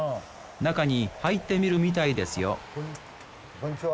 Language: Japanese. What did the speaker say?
中に入ってみるみたいですよこんにちは。